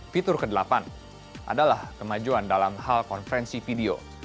fitur ke delapan adalah kemajuan dalam hal konferensi video